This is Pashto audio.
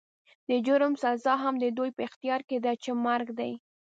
د جرم سزا هم د دوی په اختيار کې ده چې مرګ دی.